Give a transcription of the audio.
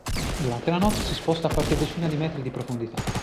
Durante la notte si sposta a qualche decina di metri di profondità.